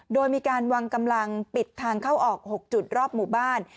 โดยมีการวางกำลังปิดทางเข้าออก๖จุดรอบหมู่บ้าน